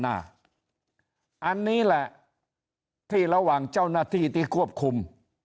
อันนี้แหละที่ระหว่างเจ้าหน้าที่ที่ควบคุม